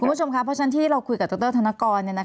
คุณผู้ชมค่ะเพราะฉะนั้นที่เราคุยกับดรธนกร